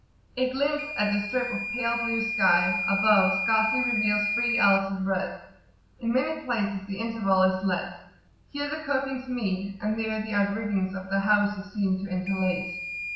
A glimpse at the [p.89]strip of pale blue sky above scarcely reveals three ells of breadth: in many places the interval is less: here the copings meet, and there the outriggings of the houses seem to interlace.